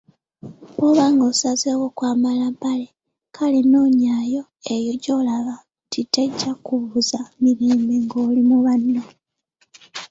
Bw'oba ng'osazeewo kwambala mpale, kale noonyaayo eyo gy'olaba nti tejja kukubuza mirembe ng'oli mu banno